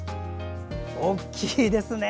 大きいですね。